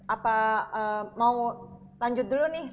apa mau lanjut dulu nih